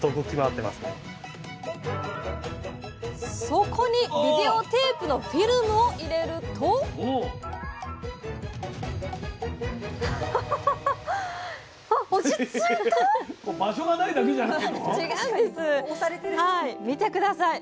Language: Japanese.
そこにビデオテープのフィルムを入れると見て下さい！